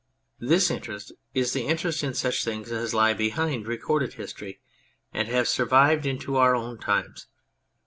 This interest is the interest in such things as lie behind recorded history, and have survived into our own times.